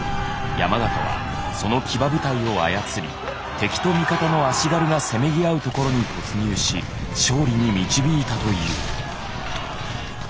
山県はその騎馬部隊を操り敵と味方の足軽がせめぎあうところに突入し勝利に導いたという。